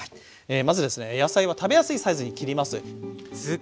まずですね野菜は食べやすいサイズに切ります。